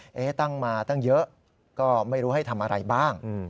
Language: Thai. ตั้งมาตั้งเยอะก็ไม่รู้ให้ทำอะไรบ้าง